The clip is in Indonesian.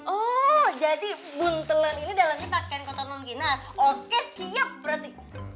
oh jadi buntelan ini dalamnya pakaian kotor noon kinar oke siap berarti